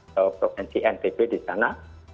dan juga untuk bnpb di sana